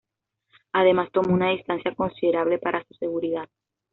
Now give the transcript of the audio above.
Además tomó una distancia considerable para su seguridad.